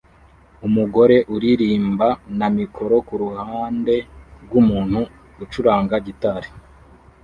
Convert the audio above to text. Umugore uririmba na mikoro kuruhande rwumuntu ucuranga gitari